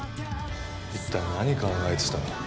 一体何考えてた？